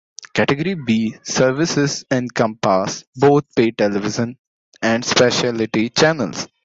Category B services encompass both pay television and specialty channels.